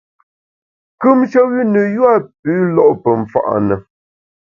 Kùmshe wü ne yua pü lo’ pe mfa’ na.